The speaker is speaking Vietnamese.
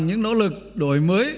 những nỗ lực đổi mới